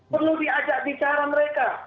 perlu diajak bicara mereka